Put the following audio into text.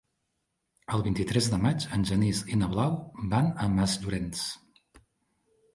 El vint-i-tres de maig en Genís i na Blau van a Masllorenç.